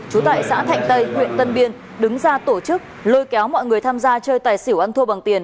trú tại xã thạnh tây huyện tân biên đứng ra tổ chức lôi kéo mọi người tham gia chơi tài xỉu ăn thua bằng tiền